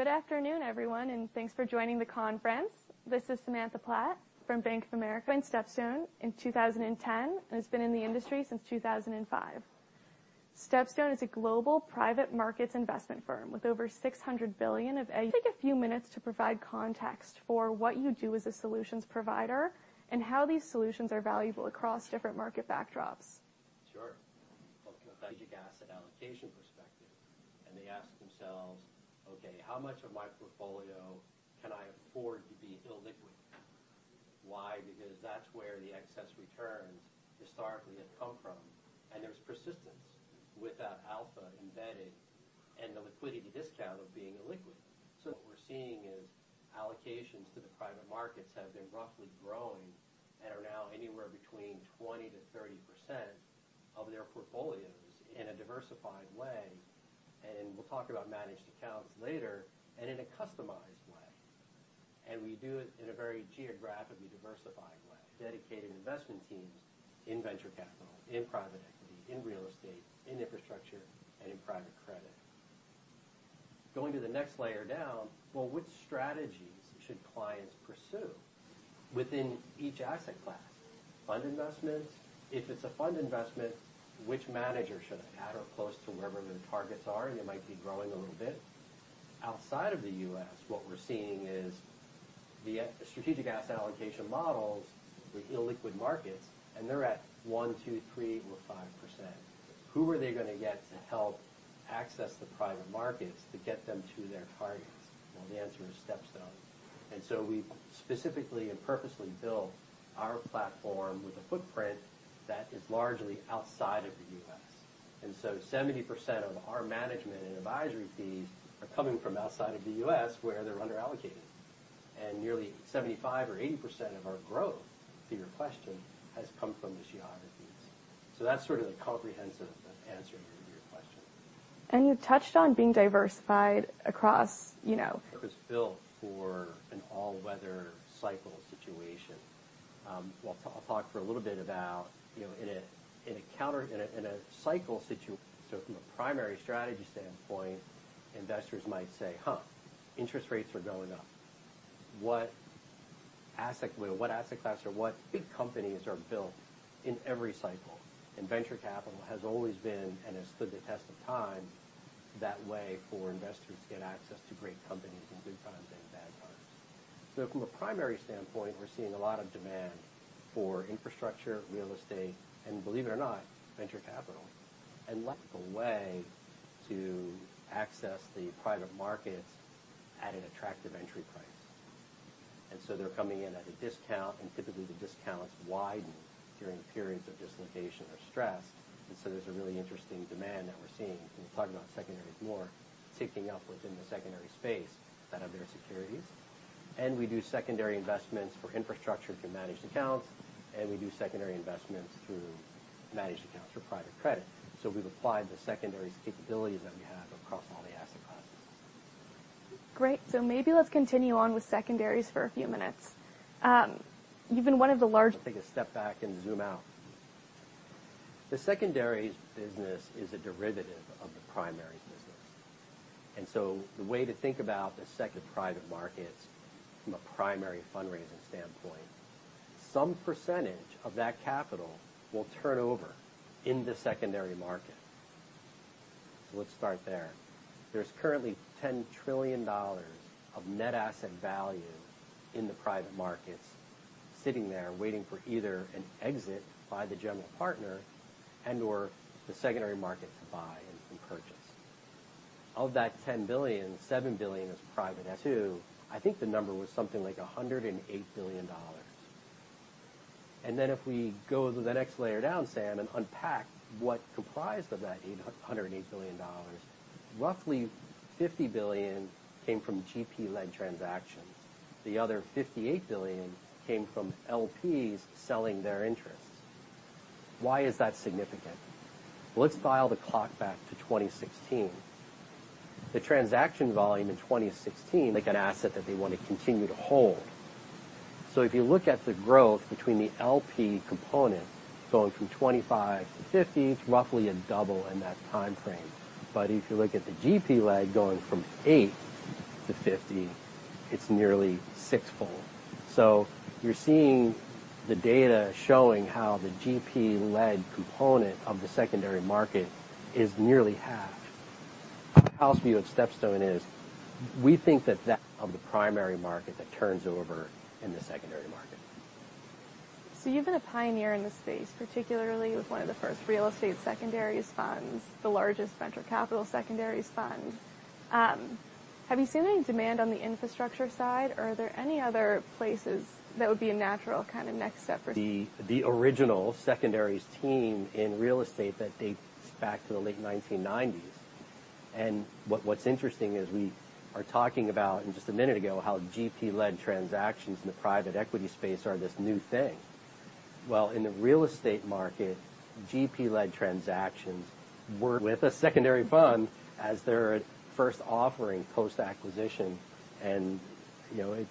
Good afternoon, everyone. Thanks for joining the conference. This is Samantha Platt from Bank of America. In StepStone in 2010, and has been in the industry since 2005. StepStone is a global private markets investment firm with over $600 billion of... Take a few minutes to provide context for what you do as a solutions provider and how these solutions are valuable across different market backdrops. Sure. From a strategic asset allocation perspective, they ask themselves, "Okay, how much of my portfolio can I afford to be illiquid?" Why? Because that's where the excess returns historically have come from, and there's persistence with that alpha embedded and the liquidity discount of being illiquid. What we're seeing is allocations to the private markets have been roughly growing and are now anywhere between 20%-30% of their portfolios in a diversified way, and we'll talk about managed accounts later, and in a customized way. We do it in a very geographically diversified way, dedicated investment teams in venture capital, in private equity, in real estate, in infrastructure, and in private credit. Going to the next layer down, well, which strategies should clients pursue within each asset class? Fund investments. If it's a fund investment, which manager should At or close to wherever their targets are, and they might be growing a little bit. Outside of the U.S., what we're seeing is the strategic asset allocation models for illiquid markets, and they're at 1%, 2%, 3%, or 5%. Who are they gonna get to help access the private markets to get them to their targets? Well, the answer is StepStone. We've specifically and purposely built our platform with a footprint that is largely outside of the U.S. 70% of our management and advisory fees are coming from outside of the U.S. where they're under allocated. Nearly 75% or 80% of our growth, to your question, has come from those geographies. That's sort of the comprehensive answer to your question. You touched on being diversified across, you know. Was built for an all-weather cycle situation. I'll talk for a little bit about, you know, from a primary strategy standpoint, investors might say, "Huh, interest rates are going up. What asset class or what big companies are built in every cycle?" Venture capital has always been, and has stood the test of time, that way for investors to get access to great companies in good times and bad times. From a primary standpoint, we're seeing a lot of demand for infrastructure, real estate, and believe it or not, venture capital. What a way to access the private markets at an attractive entry price. They're coming in at a discount, and typically the discounts widen during periods of dislocation or stress. There's a really interesting demand that we're seeing, and we'll talk about secondaries more, ticking up within the secondary space that have their securities. We do secondary investments for infrastructure through managed accounts, and we do secondary investments through managed accounts for private credit. We've applied the secondaries capabilities that we have across all the asset classes. Great. maybe let's continue on with secondaries for a few minutes. you've been one of the. Take a step back and zoom out. The secondaries business is a derivative of the primaries business. The way to think about the second private markets from a primary fundraising standpoint, some percentage of that capital will turn over in the secondary market. Let's start there. There's currently $10 trillion of net asset value in the private markets sitting there waiting for either an exit by the general partner and/or the secondary market to buy and purchase. Of that $10 billion, $7 billion is private. I think the number was something like $108 billion. If we go to the next layer down, Sam, and unpack what comprised of that $108 billion, roughly $50 billion came from GP-led transactions. The other $58 billion came from LPs selling their interests. Why is that significant? Well, let's dial the clock back to 2016. The transaction volume in 2016. Like an asset that they wanna continue to hold. If you look at the growth between the LP component going from 25 to 50, it's roughly a double in that timeframe. If you look at the GP-led going from eight to 50, it's nearly six-fold. You're seeing the data showing how the GP-led component of the secondary market is nearly 1/2. House view at StepStone is we think that of the primary market that turns over in the secondary market. You've been a pioneer in this space, particularly with one of the first real estate secondaries funds, the largest venture capital secondaries fund. Have you seen any demand on the infrastructure side or are there any other places that would be a natural kinda next step? The original secondaries team in real estate that dates back to the late 1990s. What's interesting is we are talking about, and just a minute ago, how GP-led transactions in the private equity space are this new thing. Well, in the real estate market, GP-led transactions with a secondary fund as their first offering post-acquisition and, you know, it's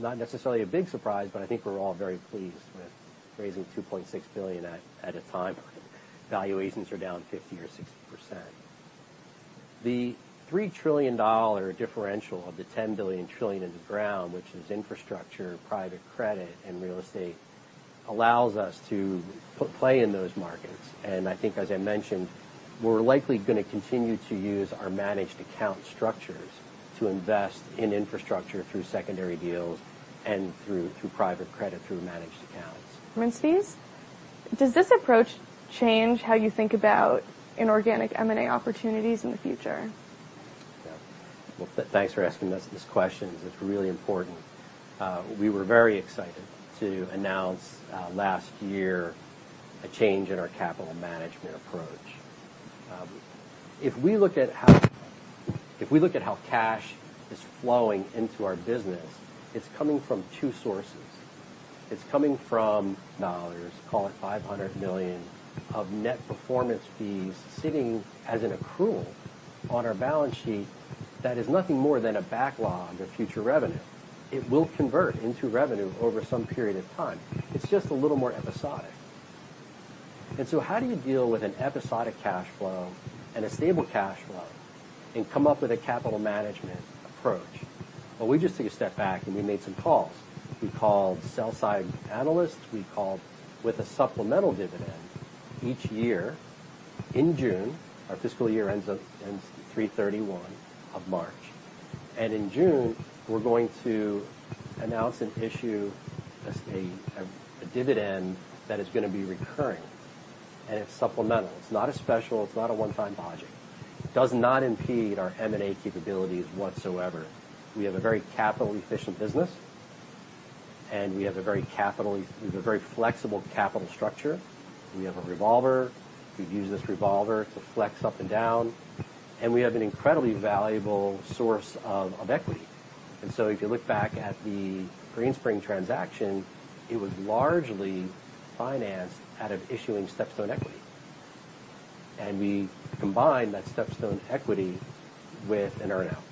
not necessarily a big surprise, but I think we're all very pleased with raising $2.6 billion at a time like Valuations are down 50% or 60%. The $3 trillion differential of the $10 billion trillion in the ground, which is infrastructure, private credit, and real estate, allows us to put play in those markets. I think, as I mentioned, we're likely going to continue to use our managed account structures to invest in infrastructure through secondary deals and through private credit, through managed accounts. Management fees. Does this approach change how you think about inorganic M&A opportunities in the future? Well, thanks for asking us this question 'cause it's really important. We were very excited to announce last year a change in our capital management approach. If we look at how cash is flowing into our business, it's coming from two sources. It's coming from dollars, call it $500 million of net performance fees sitting as an accrual on our balance sheet that is nothing more than a backlog of future revenue. It will convert into revenue over some period of time. It's just a little more episodic. How do you deal with an episodic cash flow and a stable cash flow and come up with a capital management approach? Well, we just took a step back, and we made some calls. We called sell side analysts. With a supplemental dividend each year in June. Our fiscal year ends 3/31 of March. In June, we're going to announce and issue a dividend that is gonna be recurring, and it's supplemental. It's not a special, it's not a one-time bodging. It does not impede our M&A capabilities whatsoever. We have a very capital-efficient business, and we have a very flexible capital structure. We have a revolver. We use this revolver to flex up and down. We have an incredibly valuable source of equity. If you look back at the Greenspring transaction, it was largely financed out of issuing StepStone equity. We combined that StepStone equity with an earn-out.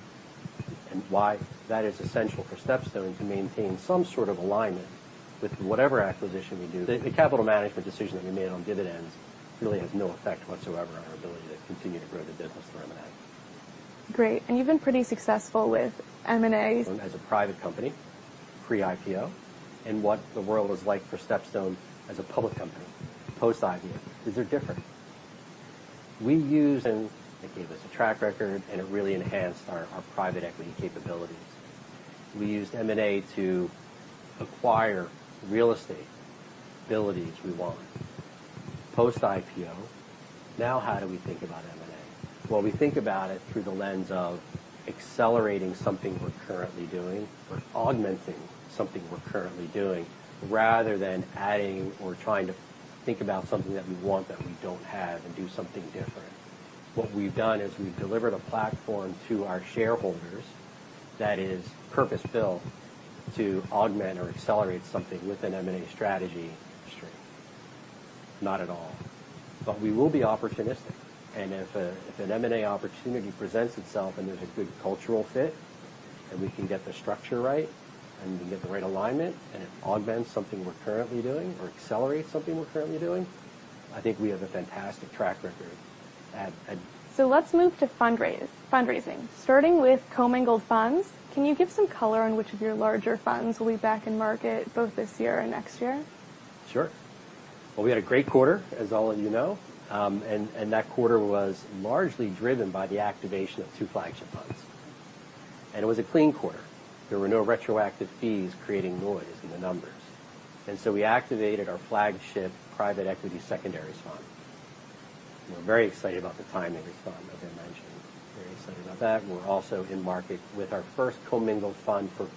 Why? That is essential for StepStone to maintain some sort of alignment with whatever acquisition we do. The capital management decision that we made on dividends really has no effect whatsoever on our ability to continue to grow the business through M&A. Great. You've been pretty successful with M&As. As a private company, pre-IPO, and what the world was like for StepStone as a public company, post-IPO. These are different. It gave us a track record, and it really enhanced our private equity capabilities. We used M&A to acquire real estate abilities we want. Post-IPO, now how do we think about M&A? Well, we think about it through the lens of accelerating something we're currently doing or augmenting something we're currently doing, rather than adding or trying to think about something that we want that we don't have and do something different. What we've done is we've delivered a platform to our shareholders that is purpose-built to augment or accelerate something with an M&A strategy. Not at all. We will be opportunistic. If an M&A opportunity presents itself, and there's a good cultural fit, and we can get the structure right, and we can get the right alignment, and it augments something we're currently doing or accelerates something we're currently doing, I think we have a fantastic track record at. Let's move to fundraising. Starting with commingled funds, can you give some color on which of your larger funds will be back in market both this year and next year? Sure. Well, we had a great quarter, as all of you know. That quarter was largely driven by the activation of two flagship funds. It was a clean quarter. There were no retroactive fees creating noise in the numbers. We activated our flagship private equity secondaries fund. We're very excited about the timing of this fund, as I mentioned. Very excited about that. We're also in market with our first commingled fund for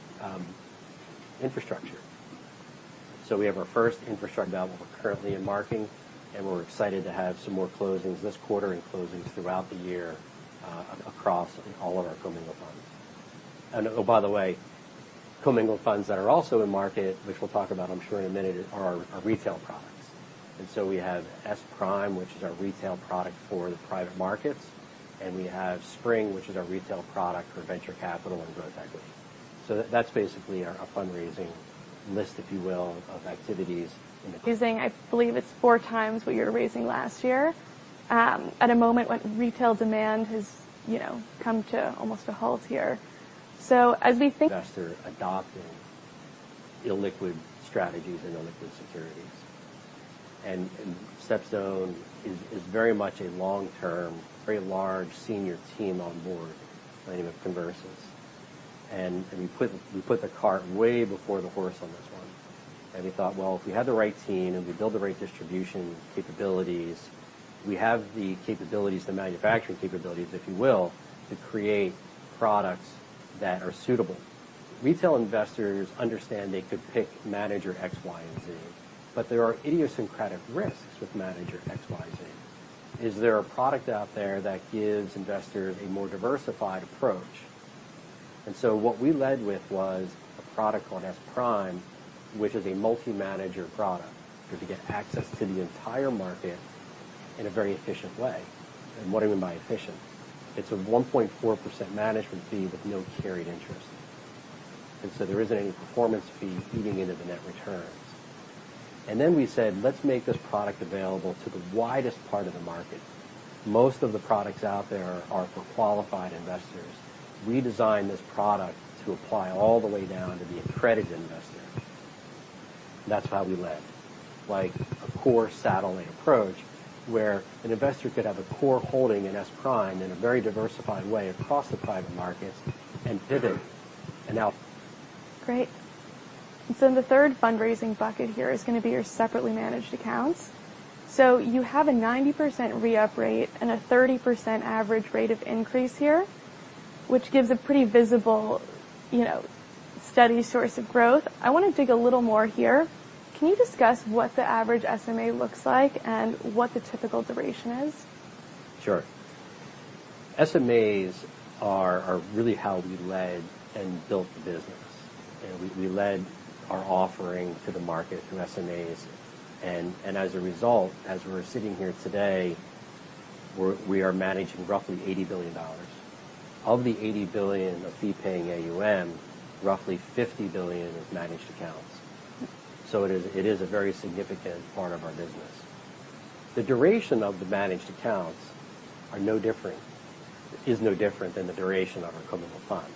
infrastructure. We have our first infrastructure available. We're currently in market, and we're excited to have some more closings this quarter and closings throughout the year across all of our commingled funds. Oh, by the way, commingled funds that are also in market, which we'll talk about I'm sure in a minute, are our retail products. We have SPRIM, which is our retail product for the private markets, and we have SPRING, which is our retail product for venture capital and growth equity. That's basically our fundraising list, if you will, of activities. Raising, I believe it's 4x what you were raising last year, at a moment when retail demand has, you know, come to almost a halt here. Investor adopting illiquid strategies and illiquid securities. StepStone is very much a long-term, very large senior team on board with Conversus. We put the cart way before the horse on this one. We thought, well, if we had the right team, and we build the right distribution capabilities, we have the capabilities, the manufacturing capabilities, if you will, to create products that are suitable. Retail investors understand they could pick manager X, Y, and Z, but there are idiosyncratic risks with manager X, Y, and Z. Is there a product out there that gives investors a more diversified approach? What we led with was a product called SPRIM, which is a multi-manager product. To get access to the entire market in a very efficient way. What do you mean by efficient? It's a 1.4% management fee with no carried interest. So there isn't any performance fee eating into the net returns. We said, let's make this product available to the widest part of the market. Most of the products out there are for qualified investors. We designed this product to apply all the way down to the accredited investor. That's how we led. Like a core satellite approach, where an investor could have a core holding in SPRIM in a very diversified way across the private markets and pivot. Great. The third fundraising bucket here is gonna be your separately managed accounts. You have a 90% re-up rate and a 30% average rate of increase here, which gives a pretty visible, you know, steady source of growth. I wanna dig a little more here. Can you discuss what the average SMA looks like and what the typical duration is? Sure. SMAs are really how we led and built the business. We led our offering to the market through SMAs. As a result, as we're sitting here today, we are managing roughly $80 billion. Of the $80 billion of fee-paying AUM, roughly $50 billion is managed accounts. It is a very significant part of our business. The duration of the managed accounts is no different than the duration of our commingled funds.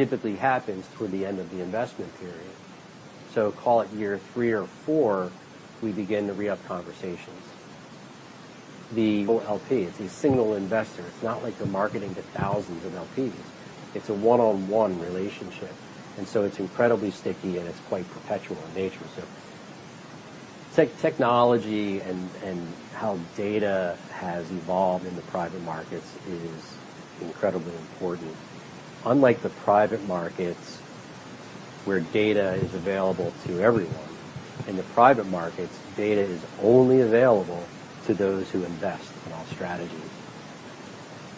Typically happens toward the end of the investment period. Call it year three or four, we begin the re-up conversations. It's a single investor. It's not like they're marketing to thousands of LPs. It's a one-on-one relationship. It's incredibly sticky, and it's quite perpetual in nature. Technology and how data has evolved in the private markets is incredibly important. Unlike the private markets, where data is available to everyone, in the private markets, data is only available to those who invest in all strategies.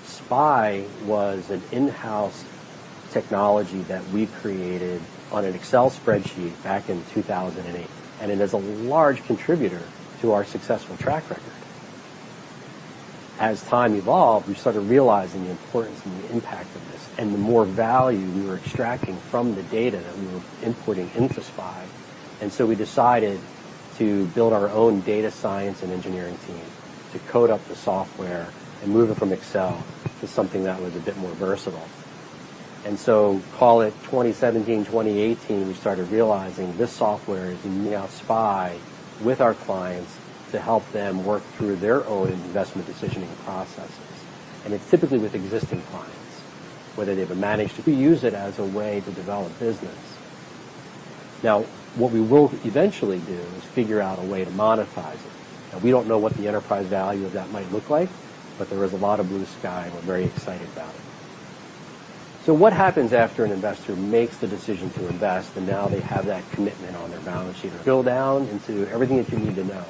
SPI was an in-house technology that we created on an Excel spreadsheet back in 2008, and it is a large contributor to our successful track record. As time evolved, we started realizing the importance and the impact of this, and the more value we were extracting from the data that we were inputting into SPI. We decided to build our own data science and engineering team to code up the software and move it from Excel to something that was a bit more versatile. Call it 2017, 2018, we started realizing this software is in SPI with our clients to help them work through their own investment decisioning processes. It's typically with existing clients, whether they've managed. We use it as a way to develop business. Now, what we will eventually do is figure out a way to monetize it. Now, we don't know what the enterprise value of that might look like, but there is a lot of blue sky, and we're very excited about it. What happens after an investor makes the decision to invest, and now they have that commitment on their balance sheet. Drill down into everything that you need to know.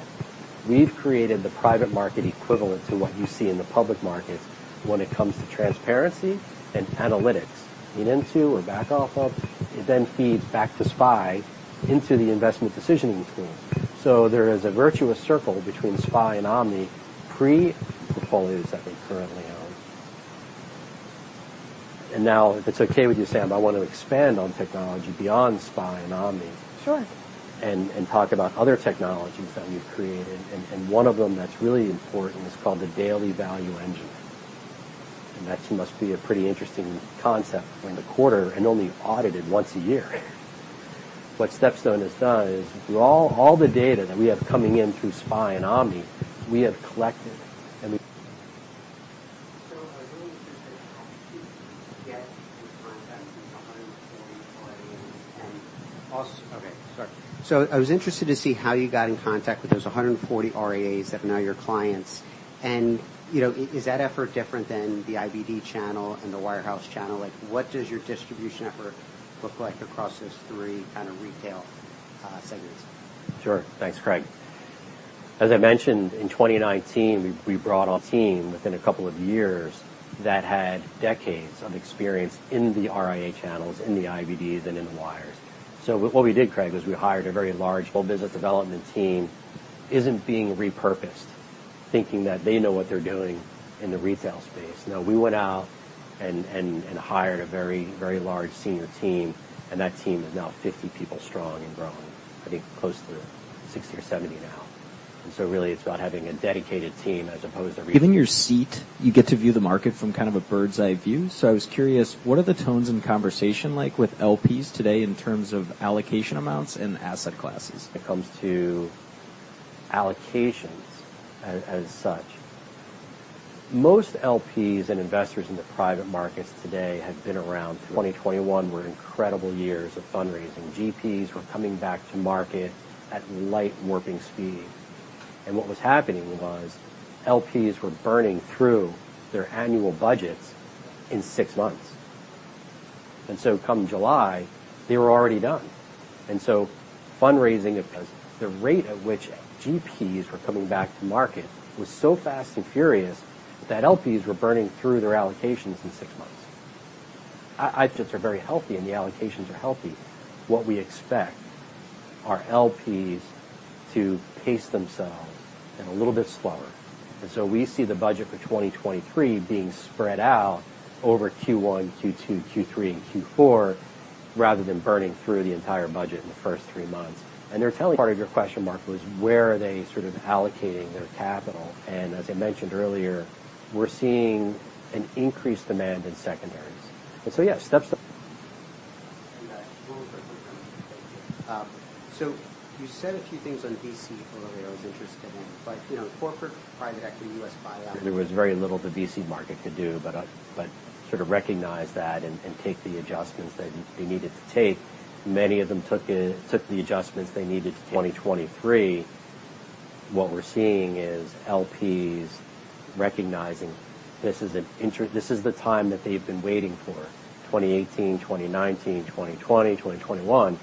We've created the private market equivalent to what you see in the public markets when it comes to transparency and analytics. Lean into or back off of, it then feeds back to SPI into the investment decisioning tools. There is a virtuous circle between SPI and Omni pre- the portfolios that they currently own. Now, if it's okay with you, Sam, I want to expand on technology beyond SPI and Omni. Sure. Talk about other technologies that we've created. One of them that's really important is called the Daily Value Engine. That must be a pretty interesting concept the quarter and only audited once a year. What StepStone has done is through all the data that we have coming in through SPI and Omni, we have collected. I was interested to see how you get in contact with those 140 RIAs. Okay. Sorry. I was interested to see how you got in contact with those 140 RIAs that are now your clients. You know, is that effort different than the IBD channel and the wire house channel? Like, what does your distribution effort look like across those three kinda retail segments? Sure. Thanks, Craig. As I mentioned, in 2019, we brought on- team within a couple of years that had decades of experience in the RIA channels, in the IBDs, and in the wires. What we did, Craig, was we hired a very large whole business development team isn't being repurposed, thinking that they know what they're doing in the retail space. No, we went out and hired a very, very large senior team, and that team is now 50 people strong and growing. I think close to 60 or 70 now. Really it's about having a dedicated team as opposed to re- Given your seat, you get to view the market from kind of a bird's eye view. I was curious, what are the tones in conversation like with LPs today in terms of allocation amounts and asset classes? When it comes to allocations as such, most LPs and investors in the private markets today have been around- 2021 were incredible years of fundraising. GPs were coming back to market at light warping speed. What was happening was LPs were burning through their annual budgets in six months. Come July, they were already done. Fundraising at the rate at which GPs were coming back to market was so fast and furious that LPs were burning through their allocations in six months. LPs are very healthy, and the allocations are healthy. What we expect are LPs to pace themselves and a little bit slower. We see the budget for 2023 being spread out over Q1, Q2, Q3, and Q4, rather than burning through the entire budget in the first three months. Part of your question, Craig, was where are they sort of allocating their capital? As I mentioned earlier, we're seeing an increased demand in secondaries. Yeah, StepStone. One more quick one for me. Thank you. You said a few things on VC earlier I was interested in, but, you know, corporate private equity, U.S. buyout- There was very little the VC market could do but sort of recognize that and take the adjustments that they needed to take. Many of them took the adjustments they needed to take. 2023, what we're seeing is LPs recognizing this is the time that they've been waiting for. 2018, 2019, 2020, 2021,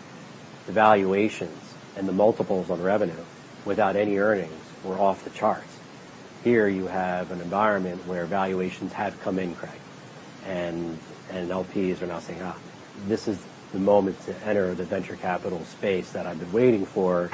the valuations and the multiples on revenue without any earnings were off the charts. Here you have an environment where valuations have come in, Craig, and LPs are now saying, "This is the moment to enter the venture capital space that I've been waiting for.